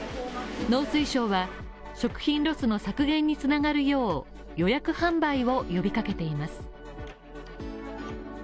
農水省は、食品ロスの削減に繋がるよう、予約販売を呼びかけています。